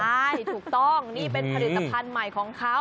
ใช่ถูกต้องนี่เป็นผลิตภัณฑ์ใหม่ของเขา